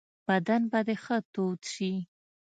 بدن به دي ښه تود شي .